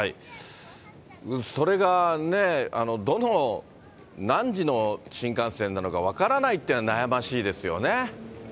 それがね、どの、何時の新幹線なのか、分からないっていうのが悩ましいですよね。